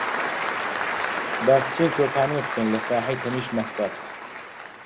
با بچین تۆپانێ بکەین لە ساحەی تەنیشت مەکتەب.